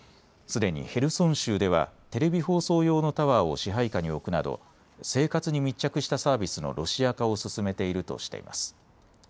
すでにヘルソン州ではテレビ放送用のタワーを支配下に置くなど生活に密着したサービスのロシア化を進めているとしています。